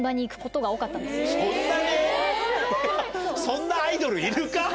そんなアイドルいるか？